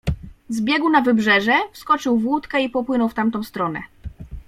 "Zbiegł na wybrzeże, wskoczył w łódkę i popłynął w tamtą stronę."